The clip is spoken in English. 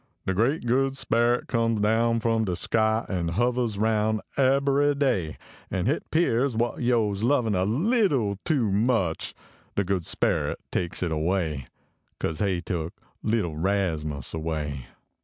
De Great Good Speret comes down from de sky An hovahs aroun ebbery day, An hit pears what yo s lovin a leetle too much, De good speret takes it away. Kase he took leetle Rasmus away.